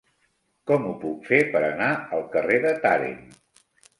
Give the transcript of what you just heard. Com ho puc fer per anar al carrer de Tàrent?